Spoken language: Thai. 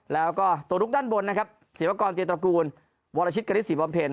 แล้วก็ตัวลุกด้านบนนะครับเสียวกรรมเจตระกูลวรชิตกริสิบอมเพลิน